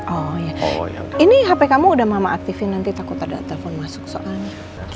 oh ya ini hp kamu udah mama aktifin nanti takut ada telepon masuk soalnya